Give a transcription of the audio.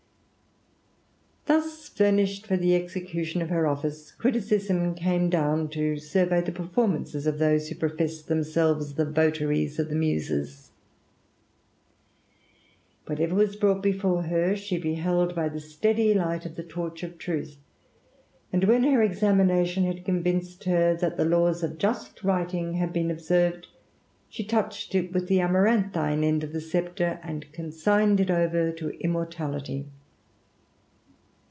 Thus furnished for the execution of her office, Chti*' CisM came down to survey the performances of fboei who professed themselves the votaries of the Mdse4 * Note 1., AppenJia. TBE RAMBLER. Whatever was brought before her, she beheld by the steady light of the Torch of Truth, and when her examination had convinced her, that the laws of just writing had been observed, she touched it with the amaranthine end of the sceptre, and consigned it over to immortaUty.